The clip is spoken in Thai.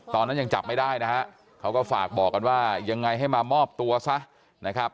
ตอนนั้นยังจับไม่ได้นะฮะเขาก็ฝากบอกกันว่ายังไงให้มามอบตัวซะนะครับ